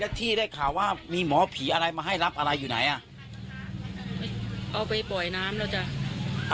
ที่ได้ข่าวว่ามีหมอผีอะไรมาให้รับอะไรอยู่ไหนอ่ะเอาไปปล่อยน้ำแล้วจ้ะ